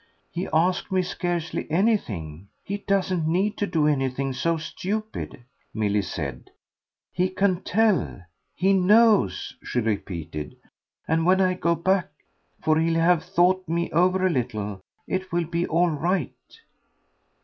"He asked me scarcely anything he doesn't need to do anything so stupid," Milly said. "He can tell. He knows," she repeated; "and when I go back for he'll have thought me over a little it will be all right."